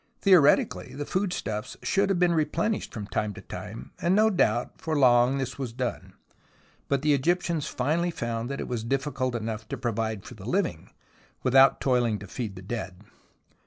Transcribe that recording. Theoretically the foodstuffs should have been replenished from time to time, and no doubt for long this was done, but the Egyptians finally found that it was difficult enough to provide for the living, without toiling to feed the dead.